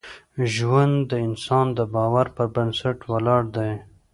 ژوند د انسان د باور پر بنسټ ولاړ دی.